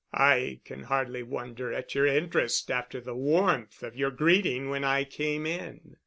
"I can hardly wonder at your interest after the warmth of your greeting when I came in."